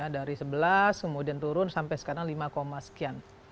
dari sebelas kemudian turun sampai sekarang lima sekian